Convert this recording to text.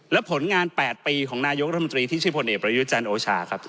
และผลงาน๘ปีของนายกรรมดรีทิชิพลเอกประยุจันทร์โอชาครับ